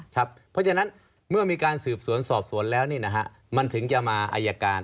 เพราะฉะนั้นเมื่อมีการสืบสวนสอบสวนแล้วมันถึงจะมาอายการ